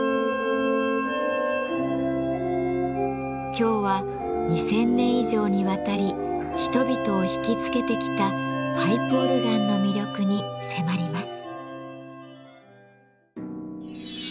今日は２，０００年以上にわたり人々を引きつけてきたパイプオルガンの魅力に迫ります。